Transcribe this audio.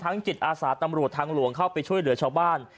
จิตอาสาตำรวจทางหลวงเข้าไปช่วยเหลือชาวบ้าน